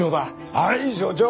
はい署長！